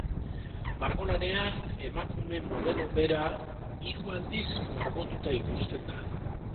Margolanean emakume modelo bera hiru aldiz margotuta ikusten da.